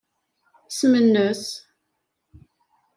Isem-nnes?